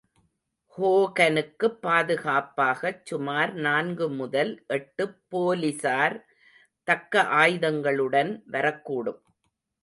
ஹோகனுக்குப் பாதுகாப்பாகச் சுமார் நான்கு முதல் எட்டுப் போலிஸார் தக்க ஆயுதங்களுடன் வரக்கூடும்.